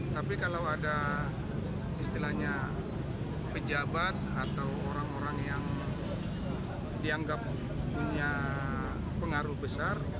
tapi kalau ada istilahnya pejabat atau orang orang yang dianggap punya pengaruh besar